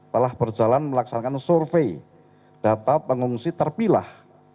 telah berjalan melaksanakan survei data pengungsi terpilah